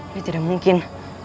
ini tidak mungkin